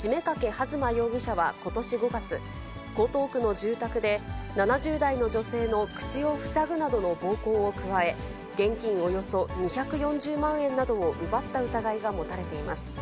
弾麻容疑者はことし５月、江東区の住宅で、７０代の女性の口を塞ぐなどの暴行を加え、現金およそ２４０万円などを奪った疑いが持たれています。